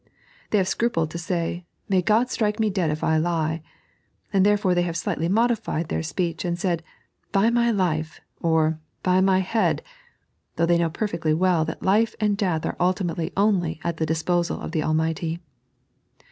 They have scrupled to say, May Ood strike me dead if I lie, and therefore they have slightly modified their speech, and said, By my life, or By my head, though they know perfectly well that life and death are ultimately only at the disposal of the Almighty.